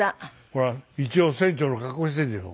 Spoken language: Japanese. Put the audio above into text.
ほら一応船長の格好してるでしょ。